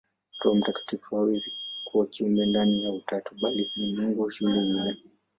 Roho Mtakatifu hawezi kuwa kiumbe ndani ya Utatu, bali ni Mungu yule yule.